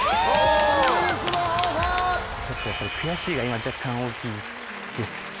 やっぱり「悔しい」が今若干大きいです。